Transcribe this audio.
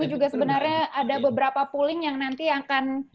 kami juga sebenarnya ada beberapa polling yang nanti akan